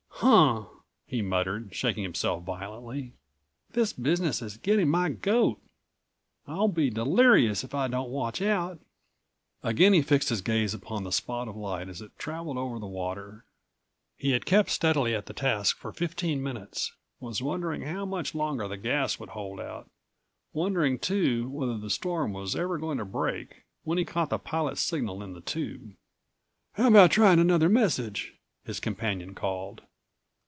"Huh!" he muttered, shaking himself violently,179 "this business is getting my goat. I'll be delirious if I don't watch out." Again he fixed his gaze upon the spot of light as it traveled over the water. He had kept steadily at the task for fifteen minutes, was wondering how much longer the gas would hold out, wondering, too, whether the storm was ever going to break, when he caught the pilot's signal in the tube. "How about trying another message?" his companion called.